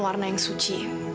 warna yang suci